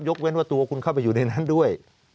เว้นว่าตัวคุณเข้าไปอยู่ในนั้นด้วย